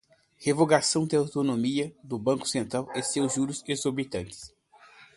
Revogação da autonomia do Banco Central e seus juros exorbitantes